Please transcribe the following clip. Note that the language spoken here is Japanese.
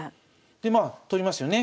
まあ取りますよね。